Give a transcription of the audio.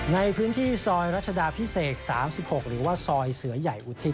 ในพื้นที่ซอยรัชดาพิเศษ๓๖หรือว่าซอยเสือใหญ่อุทิศ